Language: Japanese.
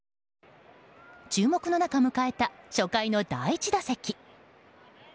注目の中迎えた初回の第１打席。